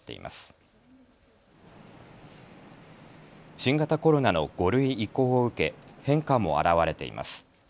新型コロナの５類移行を受け変化も現れています。